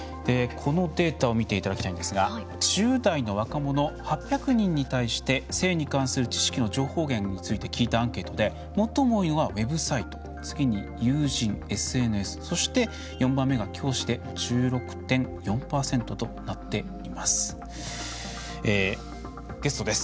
このデータを見ていただきたいんですが１０代の若者８００人に対して性に関する知識の情報源について聞いたアンケートで最も多いのはウェブサイト次に友人、ＳＮＳそして、４番目が教師で１６．４％となっています。